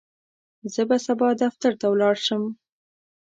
زه به سبا دفتر ته ولاړ شم.